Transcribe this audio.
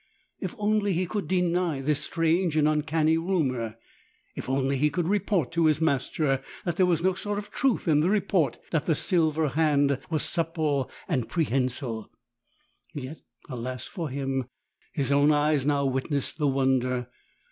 If only he could deny this strange and uncanny rumour ! If only he could report to his master that there was no sort of truth in the report that the silver hand was supple and prehensile! Yet, alas for him! his own eyes now witnessed the won der.